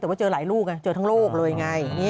แต่ว่าเจอหลายลูกไงเจอทั้งโลกเลยไง